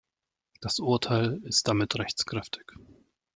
Das Urteil ist damit rechtskräftig.